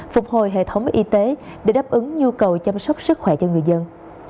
phục hồi hệ thống y tế để đáp ứng nhu cầu chăm sóc sức khỏe cho người dân